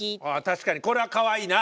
確かにこれはかわいいな。